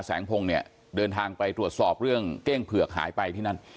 แสงพงศ์เนี่ยเดินทางไปตรวจสอบเรื่องเก้งเผือกหายไปที่นั่น